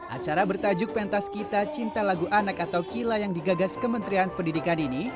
acara bertajuk pentas kita cinta lagu anak atau kila yang digagas kementerian pendidikan ini